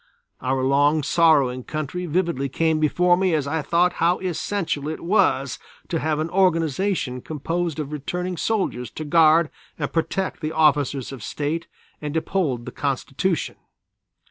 Our long sorrowing country vividly came before me as I thought how essential it was to have an organization composed of returning soldiers to guard and protect the officers of state and uphold the Constitution.